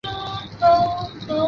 她有个自小感情就很好的表弟